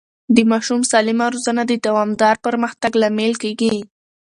د ماشوم سالمه روزنه د دوامدار پرمختګ لامل کېږي.